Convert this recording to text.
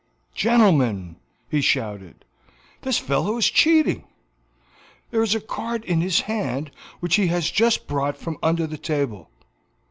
"Gentlemen," he shouted, "this fellow is cheating; there is a card in his hand which he has just brought from under the table."